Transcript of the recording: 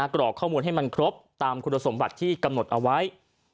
กรอกข้อมูลให้มันครบตามคุณสมบัติที่กำหนดเอาไว้